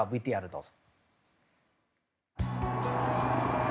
ＶＴＲどうぞ。